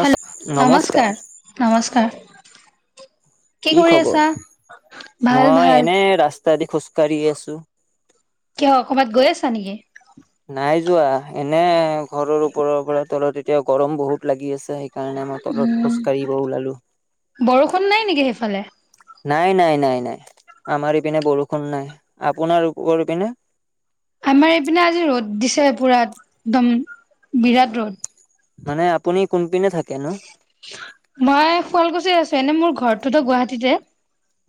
Hello, নমস্কাৰ, নমস্কাৰ। কি কৰি আছা? ভাল ভাল। তাইদি খোজকাঢ়ি আছো। কিয় ক'ৰবাত গৈ আছা নেকি? নাই যোৱা এনে ঘৰৰ ওপৰৰ পৰা তলত এতিয়া গৰম বহুত লাগি আছে। সেইকাৰণে মই তলত খোজকাইব ওলালোঁ। বৰষুণ নাই নেকি সেইফালে? নাই নাই নাই নাই আমাৰ এইপিনে বৰষুণ নাই আপোনালোক ইপিনে? আমাৰ এইপিনে আজি ৰ'দ দিছে পুৰা একদম বিৰাট ৰ'দ। মানে আপুনি কোনপিনে থাকে নো? মই শুৱালকুছিত আছো, এনে মোৰ ঘৰটোতো গুৱাহাটীতে।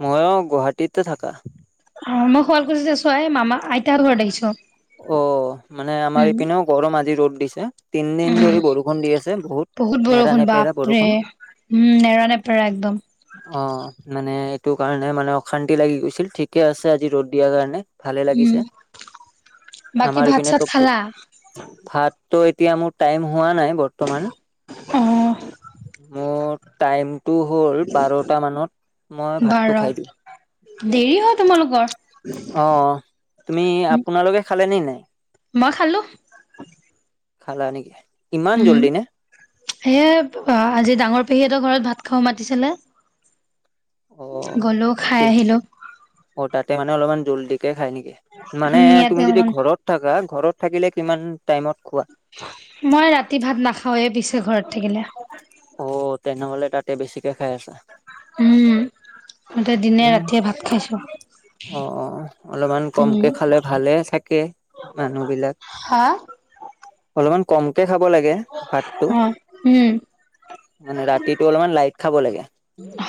মইয়ো গুৱাহাটীতে থাকা। অ' মই শুৱালকুছিত আছো, এই মামা আইতাহঁতৰ ঘৰত আহিছো। অ' মানে আমাৰ উম এইপিনেও গৰম আজি ৰ'দ দিছে। তিনদিন উম ধৰি বৰষুণ দি আছে বহুত নেৰা বৰষুণ নেপেৰা বাপৰে বৰষুণ। উম, নেৰা-নেপেৰা একদম। অ' মানে এইটো কাৰণে মানে অশান্তি লাগি গৈছিল, ঠিকে আছে আজি ৰ'দ দিয়া কাৰণে। ভালে উম লাগিছে, বাকী আমাৰ ভাত এইপিনে চাত তো খালা ভাতটো এতিয়া মোৰ টাইম হোৱা নাই, বত বৰ্তমান, অ মোৰ টাইম হ'ল বাৰটা মানত মই ভাতটো বাৰত খাই দিওঁ। দেৰি হয় তোমালোকৰ? অ' তুমি আপোনালোকে খালে নে নাই? মই খালোঁ। খালা নেকি ইমান জল্দি নে? এ আজি ডাঙৰ পেহীহতঁৰ ঘৰত ভাত খাব মাতিছিলে। অ গ'লো খাই আহিলো। অ' তাতে মানে অলপমান জল্দিকে খাই নেকি? মানে উম ইয়াতে তুমি যদি অকমান ঘৰত থাকা ঘৰত থাকিলে কিমান টাইমত খোৱা? মই ৰাতি ভাত নাখাওঁৱে পিছে ঘৰত থাকিলে। অ', তেনেহ'লে তাতে বেছিকে খাই আছা? উম, মতে দিনে উম ৰাতিয়ে ভাত খাইছোঁ। অ', অ', অ'অলপমান কমকে খালে ভালে থাকে মানুহ বিলাক। হা? অলপমান কমকে খাব লাগে ভাতটো। অ উম। মানে ৰাতিটো অলপমান লাইট খাব লাগে।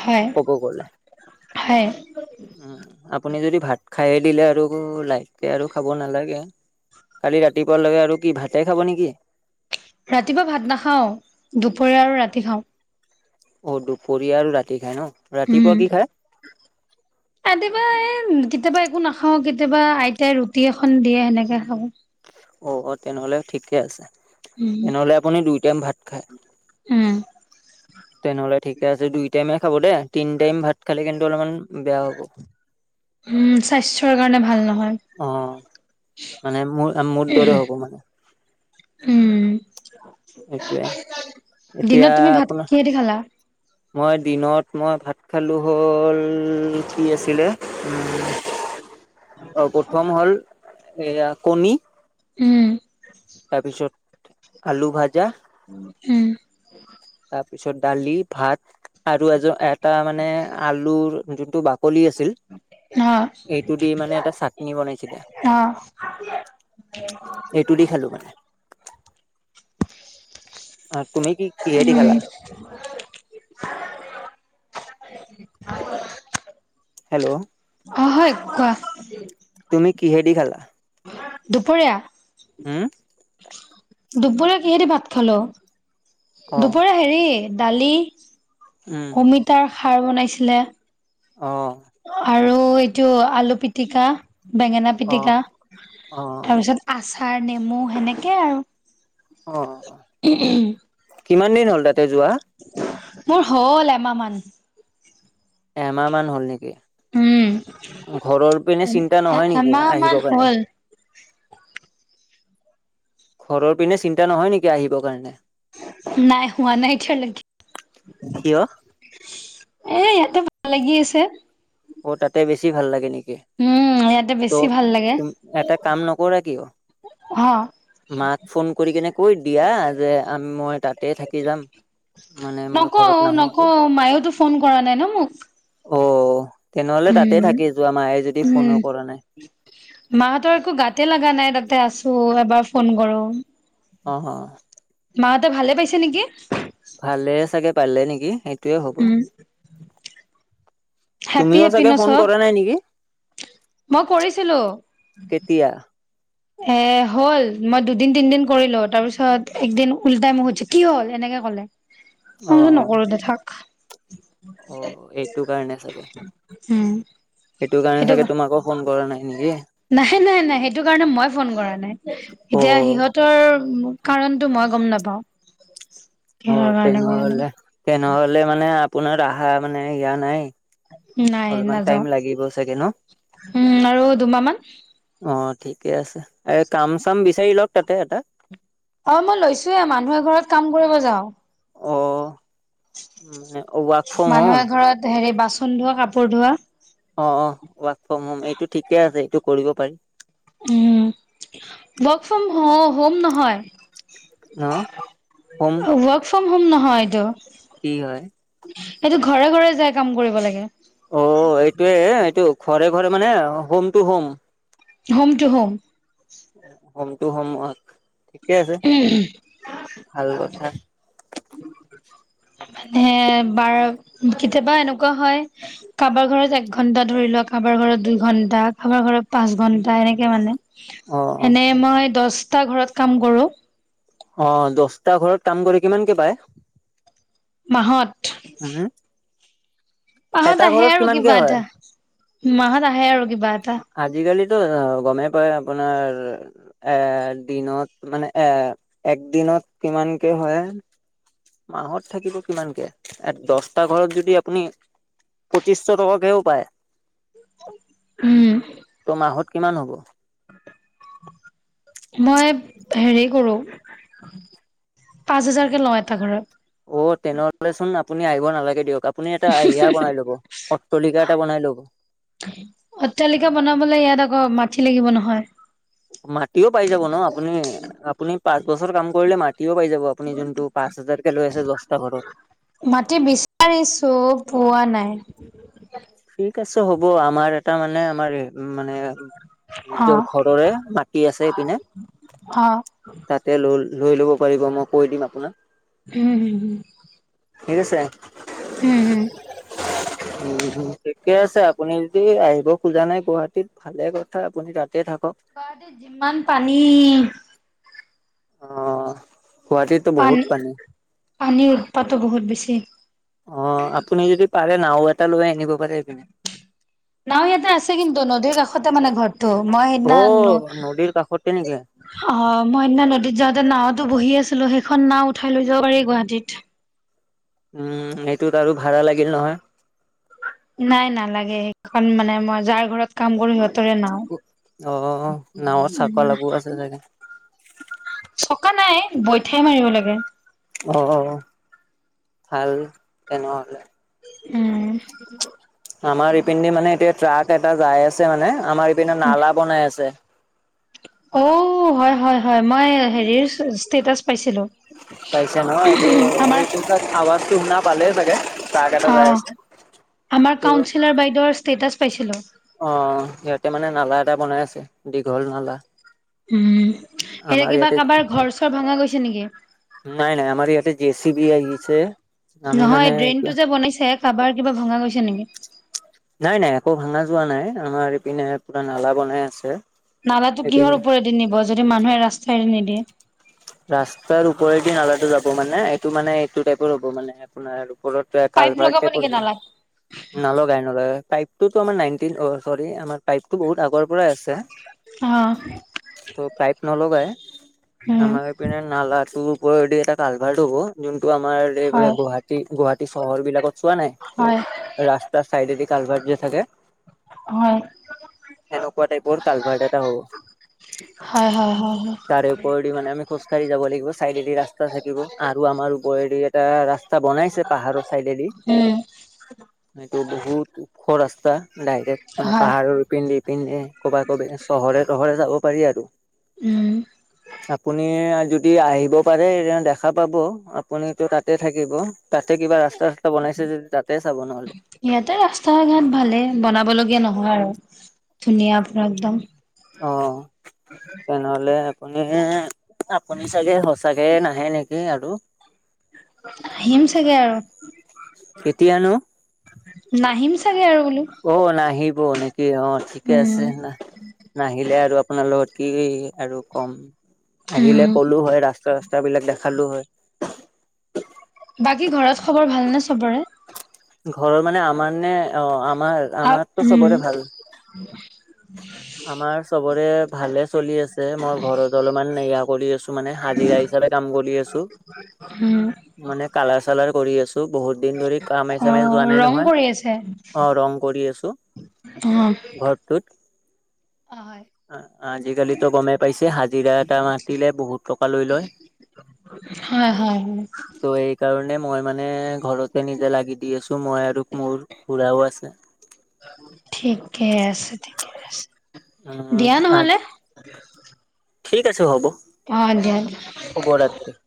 হয়, ক'ব গ'লে হয়। উম, আপুনি যদি ভাত খাইে দিলে আৰু ওলাই। তাকে আৰু খাব নালাগে, কালি ৰাতিপুৱা লৈকে আৰু কি ভাতে খাব নেকি? ৰাতিপুৱা ভাত নাখাওঁ, দুপৰীয়া আৰু ৰাতি খাওঁ। অ', দুপৰীয়া আৰু ৰাতি খাই ন, উম ৰাতিপুৱা কি খায়? ৰাতিপুৱা এ কেতিয়াবা একো নাখাওঁ কেতিয়াবা আইতাই ৰুটি এখন দিয়ে সেনেকে খাওঁ। অ', অ'তেনেহ'লে ঠিকে আছে, উম তেনেহ'লে আপুনি দুই টাইম ভাত খায়? উম তেনেহ'লে ঠিকে আছে দুই টাইমে খাব দেই তিনি টাইম ভাত খালে কিন্তু অলপমান! বেয়া হ'ব উম স্বাস্থ্যৰ কাৰণে ভাল নহয় অ'। মানে মোৰ মোৰ দৰে হ'ব মানে। উম, এইটোৱে এতিয়া দিনত তুমি ভাত আপোনাৰ কিহেদি খালা? মই দিনত মই ভাত খালোঁ হ'ল কি আছিলে। অ', প্ৰথম হ'ল এয়া কণী। উম। তাৰপিছত আলু ভাজা। উম। তাৰপিছত দালি, ভাত আৰু এজন এটা মানে আলুৰ যোনটো বাক বাকলি আছিল অ', এইটো দি মানে এটা চাটনি বনাইছিলে। অ', এইটোদি খালো মানে। তুমি কি কিহেদি খালা? [inaudible] হেল্ল'। অ', হয় কোৱা? তুমি কিহেদি খালা? দুপৰীয়া? হম। দুপৰীয়া কিহেদি ভাত খালো? অ' দুপৰীয়া হেৰি দালি। উম অমিতাৰ খাৰ বনাইছিলে। অ'। আৰু এইটো আলু পিটিকা, বেঙেনা অ' পিটিকা অ' তাৰপিছত। আচাৰ, নেমু সেনেকেই আৰু। অ', কিমান দিন হ'ল তাতে যোৱা? মোৰ হ'ল এমাহ মান। এমাহ মান হ'ল নেকি? উম, ঘৰৰ পিনে চিন্তা নহয় নেকি এমাহ আহিব মান কাৰণে? হ'ল, ঘৰৰ পিনে চিন্তা নহয় নেকি আহিবৰ কাৰণে? নাই হোৱা নাই এতিয়ালৈকে। কিয়? এ ইয়াতে ভাল লাগি আছে। অ', তাতে বেছি ভাল লাগে নেকি? উম, ইয়াতে ত, বেছি ভাল লাগে। তুম এটা কাম নকৰা কিয়? হা? মাক ফোন কৰি কিনে কৈ দিয়া যে আমি মই তাতে থাকি যাম। মানে মই নকওঁ, ঘৰত নাহো আৰু। নকওঁ মায়োটো ফোন কৰা নাই ন মোক। অ', তেনেহ'লে তাতে উম। থাকি যোৱা মায়ে যদি ফোনো উম, কৰা নাই। মাহঁতৰ একো গাতে লগা নাই তাতে আছো এবাৰ ফোন কৰোঁ। অ', হা। মাহঁতে ভালে পাইছে নেকি? ভালে চাগে পাৰিলে নেকি সেইটোয়ে হ'ব। উম। হেপি তুমিও হেপি চাগে, ন ফোন চব কৰা নাই নেকি? মই কৰিছিলো। কেতিয়া? এ হ'ল মই দুদিন তিনদিন কৰিলো। তাৰ পিছত একদিন উল্টাই মুক খুধিছে কি হ'ল, এনেকে ক'লে। অ' ফোনটো অ' নকৰো দে থাক। অ', এইটো কাৰণে চাগে। উম, কাৰণে সেইটো চাগে তোমাকো ফোন কৰা নাই নেকি? কাৰণে। নাই-নাই-নাই সেইটো কাৰণে মই ফোন কৰা নাই। এতিয়া অ' সিহঁতৰ কাৰণটো মই গম নাপাওঁ। কিহৰ অ', কাৰণে কৰা নাই। তেনেহলে, তেনেহলে মানে আপোনাৰ আহা মানে ইয়া নায়েই। নাই নাযাওঁ। ন উম, আৰু দুমাহ মান। অ', ঠিকে আছে। এ কাম চাম বিচাৰি লওক তাতে এটা। অ', মই লৈছোয়ে মানুহে ঘৰত কাম কৰিব যাওঁ। অ', মানে ৱৰ্ক ফ্ৰম হোম মানুহে ঘৰত হেৰি বাচন ধোৱা, কাপোৰ ধোৱা। অ', অ', ৱৰ্ক ফ্ৰম হোম এইটো ঠিকে আছে। এইটো কৰিব পাৰি। উম, ৱৰ্ক ফ্ৰম হোম হোম নহয়। অ, হোম। ৱৰ্ক ফ্ৰম হ'ম নহয় এইটো। কি হয়? সেইটো ঘৰে ঘৰে যাই কাম কৰিব লাগে। অ', এইটোয়ে এইটো ঘৰে ঘৰে মানে home টটো home. Home to home. Home, to home, ঠিকে আছে। ভাল কথা। মানে, বাৰ কেতিয়াবা এনেকুৱা হয়। কাৰোবাৰ ঘৰত এক ঘন্টা ধৰি লোৱা, কাৰোবাৰ ঘৰত দুই ঘন্টা, কাৰোবাৰ ঘৰত পাঁচ ঘন্টা, এনেকে মানে। অ অ এনে, মই দছটা ঘৰত কাম কৰো। অ', দছটা ঘৰত কাম কৰে কিমানকে পায়।? মাহত উম, মাহত, এটা আহে ঘৰত আৰু কিমানকে কিবা হয় এটা। মাহত আহে আৰু কিবা এটা। আজি, কালিতো গমেই পাই আপোনাৰ এ দিনত মানে এ এক দিনত কিমানকে হয়? মাহত থাকিব কিমানকে, দহটা ঘৰত যদি আপুনি পঁচিছশ টকাকেও পায়। উম, ত' মাহত কিমান হ'ব? মই, হেৰি কৰো। পাঁচ হাজাৰকে লওঁ এটা ঘৰত। অ', তেনেহ'লে চোন আপুনি আহিব নালাগে দিয়ক। আপুনি এটা এইয়া বনাই ল'ব। অট্ৰালিকা এটা বনাই লওঁক। অট্টালিকা বনাবলে ইয়াত আকৌ মাটি লাগিব নহয়। মাটিও পাই যাব ন। আপুনি আপুনি পাঁচ বছৰ কাম কৰিলে মাটিও পাই যাব। আপুনি যোনটো পাঁচ হাজাৰকে লৈ আছে, দহটা ঘৰত। মাটি বিচাৰিছো পোৱা নাই। ঠিক আছে হ'ব, আমাৰ এটা মানে, আমাৰ মানে নিজৰ অ', ঘৰৰে মাটি আছে এইপিনে। অ', তাতে লৈ লৈ ল'ব পাৰিব। মই কৈ দিম আপোনাক। উম। [inaudible] হুম-হুম। উম ঠিকে আছে আপুনি। আহিব খোজা নাই গুৱাহাটীত ভালে কথা আপুনি তাতে থাকক। গুৱাহাটীত যিমান পানী। অ, গুৱাহাটীতটো বহুত পানী। পানীৰ উৎপাতো বহুত বেছি। অ, আপুনি যদি পাৰে নাও এটা লৈ আনিব পাৰে এইপিনে। নাও ইয়াতে আছে কিন্তু নদীৰ কাষতে মানে ঘৰ। ত মই অ সেইদিনা। নদীৰ কাষতে নেকি অ, মই সেইদিনা নদীত যাওঁতে নাওতো বহি আছিলো সেইখন নাও উঠাই লৈ যাব পাৰি গুৱাহাটীত। উমস এইটোত আৰু ভাড়া লাগিল নহয়। নাই নালাগে সেইখন মানে মই যাৰ ঘৰত। কাম কৰি সিহঁতৰে নাও। অ নাৱত চাকা লাগু আছে চাগে চকা নাই বৈঠাই মাৰিব লাগে। অ ভাল তেনেহ'লে। উম। আমাৰ ইপিন্ধ মানে এতিয়া ট্ৰাক এটা যাই আছে মানে আমাৰ ইপিনে নালা বনাই আছে। অ হয়, হয়, হয় মই হেৰিৰ ষ্টেটাচ পাইছিলোঁ। পাইছে ন এইটো আমাৰ এইটো ত আৱাজটো শুনা পালেই চাগে। ট্ৰাক এটা অ যাই আছে। আমাৰ এইটো কাউঞ্চিলৰ বাইদেউৰ ষ্টেটাচ পাইছিলোঁ। অ, ইয়াতে মানে নালা এটা বনাই আছে, দীঘল নালা। উম, সেইয়া আমাৰ কিবা ইয়াতে কাৰোবাৰ ঘৰ চৰ ভাঙা গৈছে নেকি? নাই নাই আমাৰ ইয়াতে জে চি বি আহিছে আমি মানে এতিয়া। বনাইছেক। কাবাৰ কিবা ভঙা গৈছে নেকি? নাই নাই একো ভাঙা যোৱা নাই আমাৰ ইপিনে পুৰা নালা বনাই আছে। নালাটো কিহৰ এইপিনে ওপৰেদি নিব যদি মানুহে ৰাস্তাইদি নিদিয়ে। ৰাস্তাৰ ওপৰেদি নালাটো যাব মানে এইটো মানে এইটো টাইপৰ হ'ব মানে আপোনাৰ ওপৰত। তই পাইপ কালভাৰ্ট লগাব নেকি টাইপৰ হ'ব। নালাত? নালগাই নলগাই পাইপ টোতো আমাৰ নাইনটিন অ চৰি আমাৰ পাইপতটো বহুত আগৰ। পৰাই অ' আছে ত পাইপ নলগাই। উম, আমাৰ ইপিনে নালাতো উপৰেদি এটা কালভাৰ্ট হ'ব। যোনটো আমাৰ হয় এইবিলাক গুৱাহাটী গুৱাহাটী চহৰ বিলাকত চোৱা নাই? হয় ৰাস্তাৰ চাইডেদি কালভাৰ্ট যে থাকে। হয়। এনেকুৱা টাইপৰ কালভাৰ্ট এটা হ'ব। হয়, হয়, হয়, হয়। তাৰেওৰেদি মানে আমি খোজকাঢ়ি যাব লাগিব চাইডেদি ৰাস্তা থাকিব আৰু আমাৰ ওপৰেদি এটা ৰাস্তা। তা বনাইছে পাহাৰৰ চাইডেদি। উম, এইটো বহুত ওখ ৰাস্তা ডাইৰেক্ট মানে হয় পাহাৰৰ পিন্ধি। পিনে ক'বা কবে চহৰে তহৰে যাব পাৰি আৰু। উম। আপুনি যদি আহিব পাৰে এ দেখা পাব আপুনিতো তাতে থাকিব। তাতে কিবা ৰাস্তা চাস্তা বনাইছে যদি তাতে চাব নহ'লে। ইয়াতে ৰাস্তা ঘাট ভালে বনাব লগীয়া নহয় আৰু ধুনীয়া পুৰা একদম। অ। তেনেহলে আপুনি আপুনি চাগে সচাকে নাহে নেকি আৰু। আহিম চাগে আৰু। কেতিয়ানো? নাহিম চাগে আৰু বোলো। অ নাহিব নেকি অ ঠিকে আছে উম ন নাহিলে আৰু আপোনাৰ লগত। কি আৰু কম উম আহিলে ক'লো হয়! ৰাস্তা, ৰাস্তা বিলাক দেখালো হয়! বাকী ঘৰত খবৰ ভাল নে চবৰে! ঘৰৰ মানে, আমাৰ নে! অঁ, আমাৰ, আ আমাৰতো উম চবৰে ভাল! আমাৰ চবৰে, ভালে চলি আছে! মই ঘৰত অলপমান নয়া কৰি আছো! মানে, হাজিৰা হিচাপে কাম কৰি আছো! উম মানে, কালাৰ চালাৰ কৰি আছো! বহুত দিন ধৰি, কামে অ যোৱা নাই ৰং নহয়! কৰি আছে অঁ ৰং কৰি আছো! অঁ সতুত [unintelligible] আজি কালিতো গমেই পাইছে, হাজিৰা এটা মাতিলে বহুত টকা লৈ লয়! [inaudible] হয়- হয় -হয় ত' এই কাৰণে মই মানে ঘৰতে নিজে লাগি দি আছো! মই আৰু মোৰ খুৰাও আছে! ঠিকে আছে ঠিকে আছে! উম, দিয়া আ, নহ'লে ঠিক আছে হ'ব! অঁ, দে! খবৰ আছে [unintelligible]